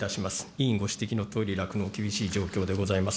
委員ご指摘のとおり、酪農、厳しい状況でございます。